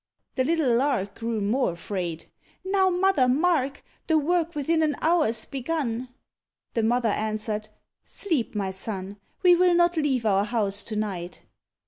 The little Lark Grew more afraid. "Now, mother, mark, The work within an hour's begun." The mother answered "Sleep, my son; We will not leave our house to night."